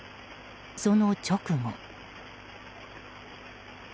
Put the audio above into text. その直後。